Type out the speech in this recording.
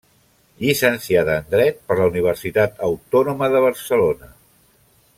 Llicenciada en dret per la Universitat Autònoma de Barcelona.